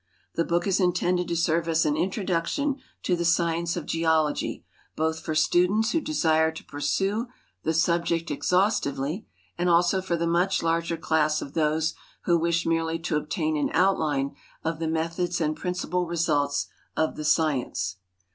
The book is intended to serve as an introduction to the science of (ieology, both for students who desire to pursue the subject exhaustively, and al.<o for the much larger class of those who wish merely to obtain an outline of the methods and principal results of the science."